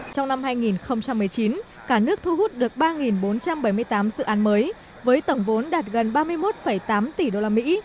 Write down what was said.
trong năm hai nghìn một mươi chín cả nước thu hút được ba bốn trăm bảy mươi tám dự án mới với tổng vốn đạt gần ba mươi một tám tỷ đô la mỹ